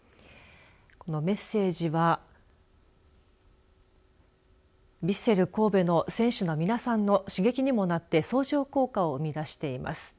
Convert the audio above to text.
このメッセージはヴィッセル神戸の選手の皆さんの刺激にもなって相乗効果を生み出しています。